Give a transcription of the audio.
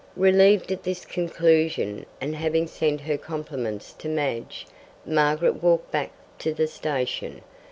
Relieved at this conclusion, and having sent her compliments to Madge, Margaret walked back to the station.